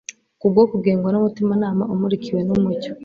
kubwo kugengwa numutimanama umurikiwe numucyo